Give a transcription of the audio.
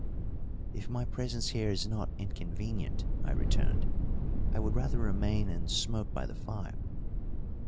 "If my presence here is not inconvenient," I returned, "I would rather remain and smoke by the fire."